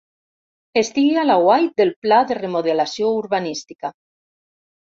Estigui a l'aguait del pla de remodelació urbanística .